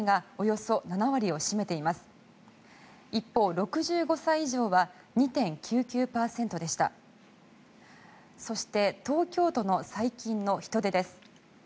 そして東京都の最近の人出です。